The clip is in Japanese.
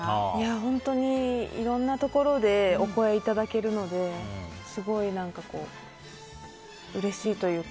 本当にいろんなところでお声がけいただけるのですごいうれしいというか。